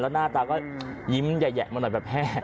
หน้าตาก็ยิ้มแยะมาหน่อยแบบแห้